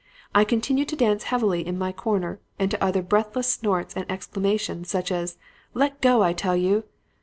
I continued to dance heavily in my corner and to utter breathless snorts and exclamations such as, 'Let go, I tell you!'